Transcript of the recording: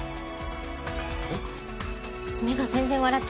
えっ？